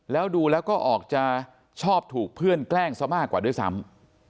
แล้วดูแล้วก็ออกจะชอบถูกเพื่อนแกล้งซะมากกว่าด้วยซ้ำ